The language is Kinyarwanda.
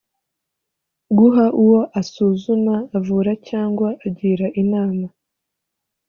guha uwo asuzuma avura cyangwa agira inama